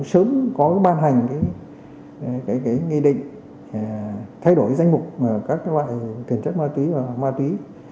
sớm có ban hành nghị định thay đổi danh mục các loại tiền chất ma túy và ma túy